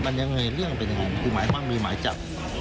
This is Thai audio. แล้วเรื่องเป็นยังไงมันคือหมายบ้างมีหมายจำ